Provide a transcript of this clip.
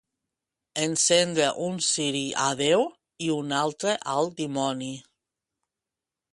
Encendre un ciri a Déu i un altre al dimoni.